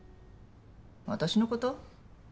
私のこと？